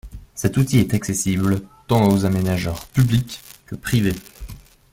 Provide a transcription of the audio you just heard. Cet outil est accessible tant aux aménageurs publics que privés.